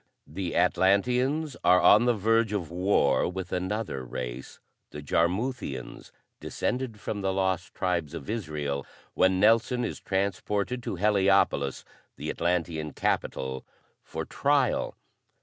The Atlanteans are on the verge of war with another race, the Jarmuthians, descended from the Lost Tribes of Israel, when Nelson is transported to Heliopolis, the Atlantean Capital, for trial.